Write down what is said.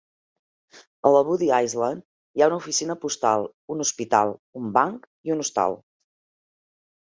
A la Woody Island hi ha una oficina postal, un hospital, un banc i un hostal.